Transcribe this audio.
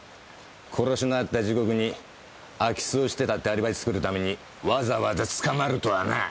殺しのあった時刻に空き巣をしてたってアリバイ作るためにわざわざ捕まるとはなぁ！